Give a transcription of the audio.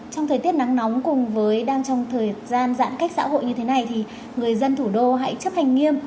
trong thời tiết nắng nóng cùng với đang trong thời gian giãn cách xã hội như thế này thì người dân thủ đô hãy chấp hành nghiêm